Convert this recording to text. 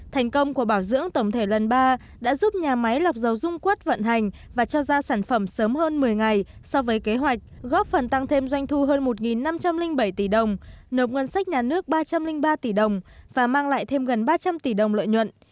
thành công của bảo dưỡng tổng thể lần ba đã giúp nhà máy lọc dầu dung quất vận hành và cho ra sản phẩm sớm hơn một mươi ngày so với kế hoạch góp phần tăng thêm doanh thu hơn một năm trăm linh bảy tỷ đồng nộp ngân sách nhà nước ba trăm linh ba tỷ đồng và mang lại thêm gần ba trăm linh tỷ đồng lợi nhuận